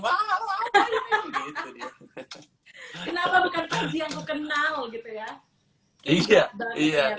kenapa bukan panji yang kau kenal